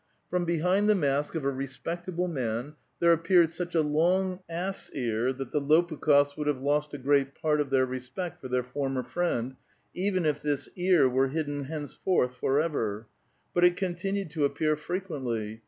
From behind the mask of a respectable man there a[)peared such a long ass ear that the Lopukh6fs would have lost a great part of their respect for their former friend, even if this ear were hidden henceforth forever; but it contin ued to appear frequently.